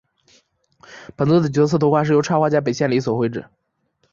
本作的角色图画是由插画家北千里所绘制。